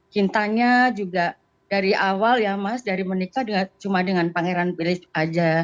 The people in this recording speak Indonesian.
hintanya juga dari awal ya mas dari menikah cuma dengan pangeran bilik saja